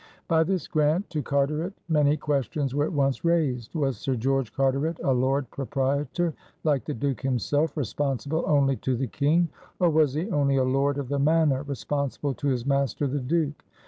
By this grant to Carteret many questions were at once raised. Was Sir George Carteret a lord proprietor like the Duke himself, responsible only to the King, or was he only a lord of the manor responsible to his master the Duke?